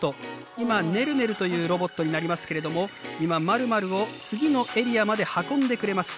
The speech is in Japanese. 今ネルネルというロボットになりますけれども今まるまるを次のエリアまで運んでくれます。